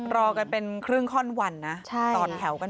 รอกันเป็นครึ่งข้อนวันนะต่อแถวกัน